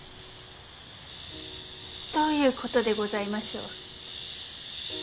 どういうことでございましょう。